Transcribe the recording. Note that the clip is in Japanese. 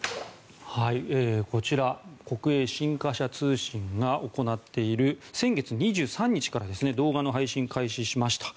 こちら、国営新華社通信が行っている先月２３日から動画の配信を開始しました。